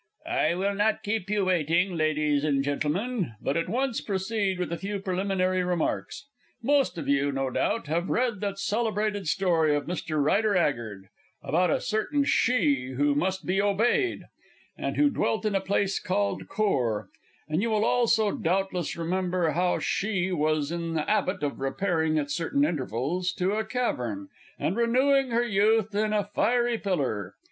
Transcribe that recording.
I will not keep you waiting, Ladies and Gentlemen, but at once proceed with a few preliminary remarks. Most of you, no doubt, have read that celebrated story by Mr. Rider 'Aggard, about a certain She who must be obeyed, and who dwelt in a place called Kôr, and you will also doubtless remember how she was in the 'abit of repairing at certain intervals, to a cavern, and renooing her youth in a fiery piller.